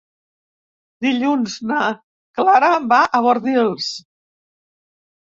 Dilluns na Clara va a Bordils.